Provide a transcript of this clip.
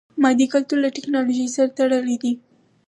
مادي کلتور له ټکنالوژي سره تړلی دی.